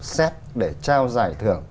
xét để trao giải thưởng